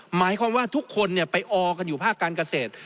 หมายความว่าทุกคนไปออกันอยู่ภาคการเกษตร